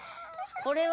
これは。